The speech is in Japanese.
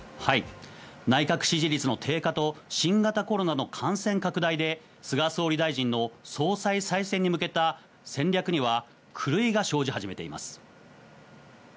内閣支持率の低下と新型コロナの感染拡大で菅総理大臣の総裁再選に向けた戦略には狂いが生じ始めています。